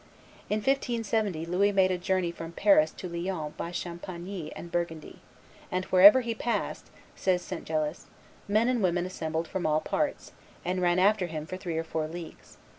In 1570 Louis made a journey from Paris to Lyons by Champaigne and Burgundy; and "wherever he passed," says St. Gelais" men and women assembled from all parts, and ran after him for three or four leagues.